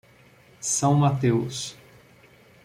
São Mateus